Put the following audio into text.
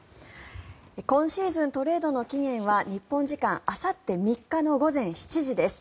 今シーズントレードの期限は日本時間あさって３日の午前７時です。